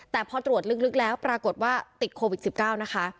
แต่พอตรวจลึกแล้วปรากฏว่าติดโควิด๑๙นะคะ